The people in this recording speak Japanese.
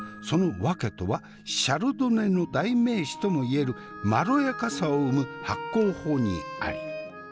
その訳とはシャルドネの代名詞とも言えるまろやかさを生む発酵法にあり。